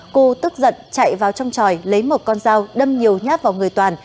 cư tức giận chạy vào trong tròi lấy một con dao đâm nhiều nhát vào người toàn